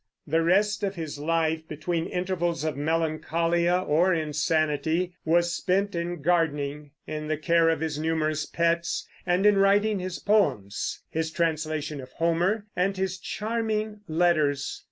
The rest of his life, between intervals of melancholia or insanity, was spent in gardening, in the care of his numerous pets, and in writing his poems, his translation of Homer, and his charming letters.